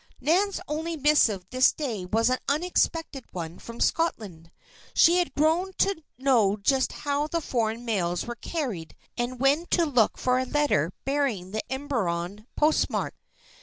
Nan's only missive this day was an unexpected one from Scotland. She had grown to know just how the foreign mails were carried and when to look for a letter bearing the Emberon postmark.